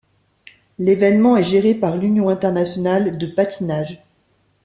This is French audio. L'évènement est géré par l'Union internationale de patinage.